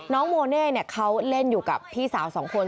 น้องโมเน่เขาเล่นอยู่กับพี่สาวสองคน